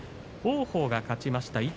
王鵬が勝ちました。